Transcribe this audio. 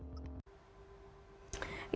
ya dokter dan istri